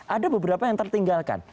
ada beberapa yang tertinggalkan